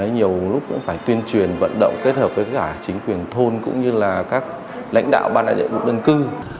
nhiều lúc cũng phải tuyên truyền vận động kết hợp với cả chính quyền thôn cũng như là các lãnh đạo ban đại nhiệm vụ đơn cư